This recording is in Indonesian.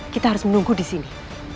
kita harus menunggu disini